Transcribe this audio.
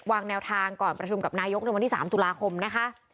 วางแนวทางก่อนประชุมกับนายกในวันที่๓ตุลาคมนะคะ